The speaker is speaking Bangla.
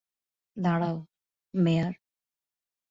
দাঁড়াও, মেয়ার।